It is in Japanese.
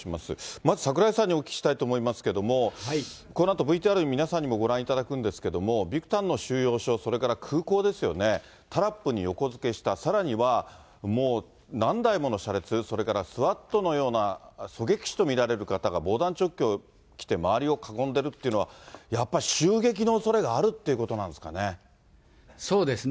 まず櫻井さんにお聞きしたいと思いますけれども、このあとＶＴＲ、皆さんにもご覧いただくんですけれども、ビクタンの収容所、それから空港ですよね、タラップに横付けした、さらには、もう何台もの車列、それからスワットのような狙撃手と見られる方が防弾チョッキを着て周りを囲んでるというのは、やっぱり襲撃のおそれがあるっていそうですね。